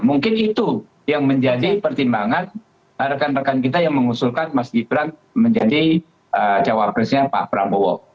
mungkin itu yang menjadi pertimbangan rekan rekan kita yang mengusulkan mas gibran menjadi cawapresnya pak prabowo